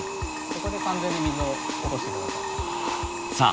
ここで完全に水を落として下さい。